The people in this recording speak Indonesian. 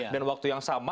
dan waktu yang sama